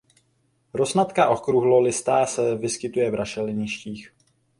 Rosnatka okrouhlolistá se vyskytuje v rašeliništích.